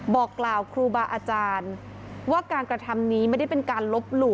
บอกกล่าวครูบาอาจารย์ว่าการกระทำนี้ไม่ได้เป็นการลบหลู่